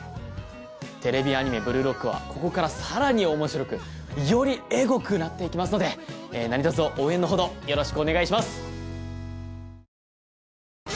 テレビアニメ『ブルーロック』はここからさらに面白くよりエゴくなっていきますので何とぞ応援のほどよろしくお願いします！